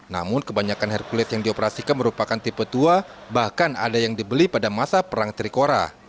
namun kebanyakan hercules yang dioperasikan merupakan tipe tua bahkan ada yang dibeli pada masa perang trikora